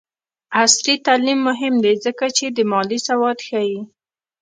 عصري تعلیم مهم دی ځکه چې د مالي سواد ښيي.